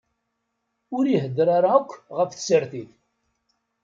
Ur iheddeṛ ara akk ɣef tsertit.